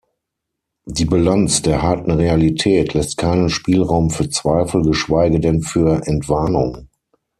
Die Bilanz der harten Realität lässt keinen Spielraum für Zweifel, geschweige denn für Entwarnung.